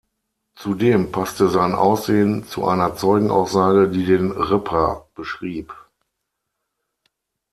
Zudem passte sein Aussehen zu einer Zeugenaussage, die den Ripper beschrieb.